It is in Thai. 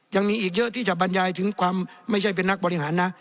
ยังมีอีกเยอะที่จะบรรยายถึงความไม่ใช่เป็นนักบริหารนะ